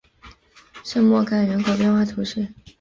圣莫冈人口变化图示